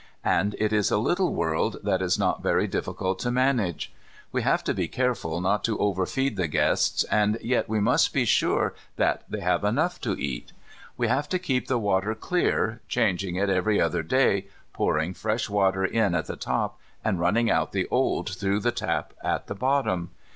And it is a little world that is not very difficult to manage. We have to be careful not to overfeed the guests, and yet we must be sure that they have enough to eat. We have to keep the water clear, changing it every other day, pouring fresh water in at the top and running out the old through the tap at the bottom.